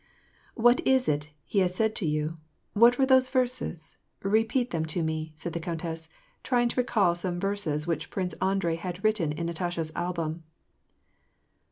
" What is it he has said to you ? What were those verses ? Repeat them to me," said the countess, trying to recall some verses which Prince Andrei had written in Natasha's album.